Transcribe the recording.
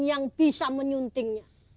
yang bisa menyuntingnya